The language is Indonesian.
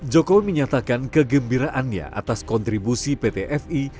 jokowi menyatakan kegembiraannya atas kontribusi pt fi